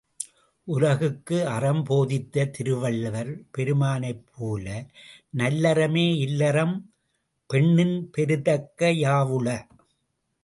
உலகுக்கு அறம் போதித்த திருவள்ளுவர் பெருமானைப் போல, நல்லறமே இல்லறம் பெண்ணின் பெருந்தக்க யாவுள?.